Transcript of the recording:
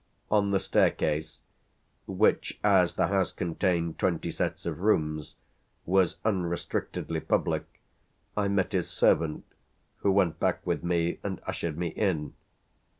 On the staircase, which, as the house contained twenty sets of rooms, was unrestrictedly public, I met his servant, who went back with me and ushered me in.